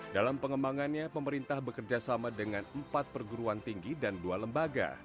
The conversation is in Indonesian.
dalam pengembangannya pemerintah bekerjasama dengan empat perguruan tinggi dan dua lembaga